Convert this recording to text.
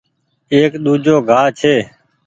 ايڪ ۮوجھو گآه ڇي۔